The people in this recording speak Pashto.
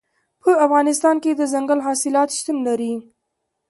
په افغانستان کې دځنګل حاصلات شتون لري.